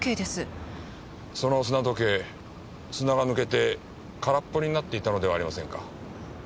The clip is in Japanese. その砂時計砂が抜けて空っぽになっていたのではありませんか？